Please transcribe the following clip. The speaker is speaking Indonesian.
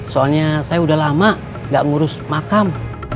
soalnya saya udah lama gak ngurus makam